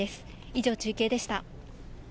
以上、中継でした。